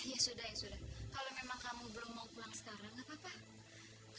ya sudah kalau kamu belum mau pulang sekarang nggak apa apa